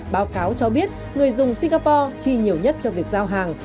báo cáo cho biết người dùng singapore chi nhiều nhất cho việc giao hàng